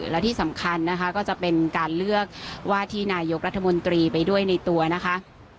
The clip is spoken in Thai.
และที่สำคัญนะคะก็จะเป็นการเลือกว่าที่นายกรัฐมนตรีไปด้วยในตัวนะคะ